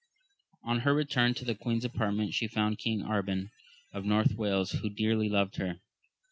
On her return to the queen's apartment, she found King Arban, of North Wales, who dearly loved her.